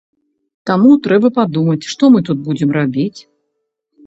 Таму трэба падумаць, што мы тут будзем рабіць.